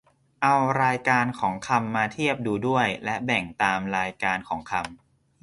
เอารายการของคำมาเทียบดูด้วย และแบ่งตามรายการของคำ